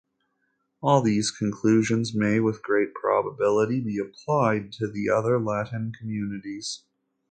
All these conclusions may with great probability be applied to the other Latin communities.